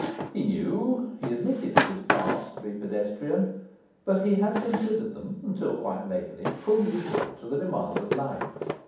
He knew he admitted his parts to be pedestrian, but he had considered them (until quite lately) fully equal to the demands of life.